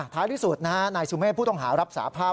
ท้ายที่สุดนะฮะนายสุเมฆผู้ต้องหารับสาภาพ